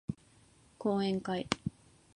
講演会